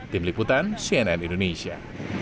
tim liputan cnn indonesia